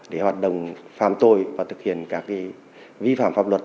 để hoạt động phạm tội và thực hiện các vi phạm pháp luật